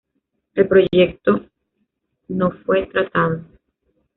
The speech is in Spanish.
El proyecto no fue tratado.